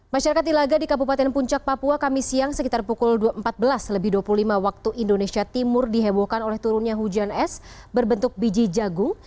masyarakat ilaga di kabupaten puncak papua kami siang sekitar pukul empat belas lebih dua puluh lima waktu indonesia timur dihebohkan oleh turunnya hujan es berbentuk biji jagung